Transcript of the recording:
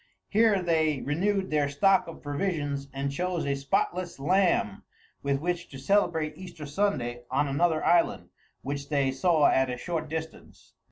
Here they renewed their stock of provisions, and chose a spotless lamb with which to celebrate Easter Sunday on another island, which they saw at a short distance.